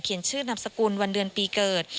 เขียนชื่อนับสกุลวันเดือนปีเกิด